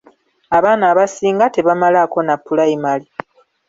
Abaana abasinga tebamalaako na pulayimale.